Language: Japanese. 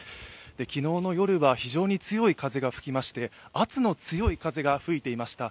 昨日の夜は非常に強い風が吹きまして圧の強い風が吹いていました。